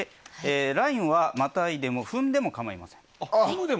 ラインはまたいでも踏んでも構いません。